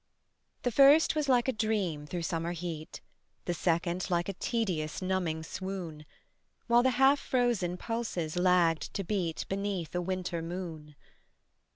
The first was like a dream through summer heat, The second like a tedious numbing swoon, While the half frozen pulses lagged to beat Beneath a winter moon.